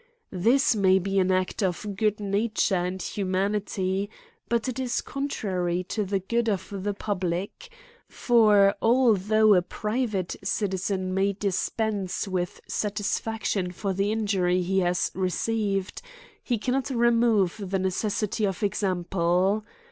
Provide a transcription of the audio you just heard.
This may be an act of good nature and humanity, but it is contrary to the good of the public : for although a private citizen may dispense with sa tisfaction for the injury he has received, he can not remove the necessity of example.